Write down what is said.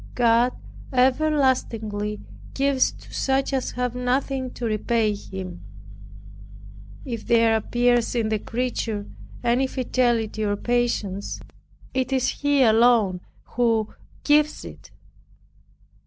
God everlastingly gives to such as have nothing to repay Him. If there appears in the creature any fidelity or patience, it is He alone who gives it.